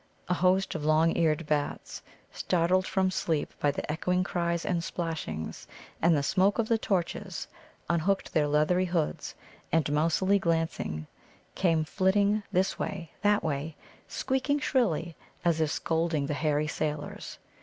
A host of long eared bats, startled from sleep by the echoing cries and splashings, and the smoke of the torches, unhooked their leathery hoods, and, mousily glancing, came flitting this way, that way, squeaking shrilly as if scolding the hairy sailors.